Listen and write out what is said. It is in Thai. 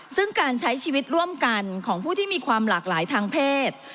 ซึ่งการใช้ชีวิตร่วมกันของผู้ที่มีความหลากหลายทางเพศ